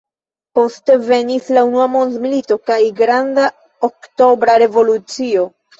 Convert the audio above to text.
Poste venis la unua mondmilito kaj Granda Oktobra Revolucio.